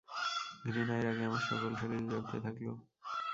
ঘৃণায় রাগে আমার সকল শরীর জ্বলতে লাগল।